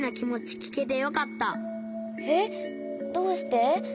えっどうして？